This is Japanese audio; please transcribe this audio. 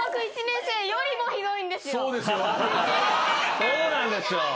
そうなんですよ。